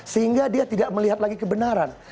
sehingga dia tidak melihat lagi kebenaran